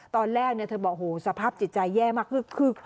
ตอนแรกเธอบอกโหสภาพจิตใจแย่มากคือ